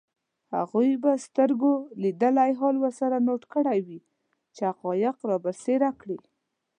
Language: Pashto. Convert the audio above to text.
هغوی به سترګو لیدلی حال ورسره نوټ کړی وي چي حقایق رابرسېره کړي